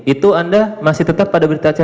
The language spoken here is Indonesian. itu anda masih tetap pada berita acara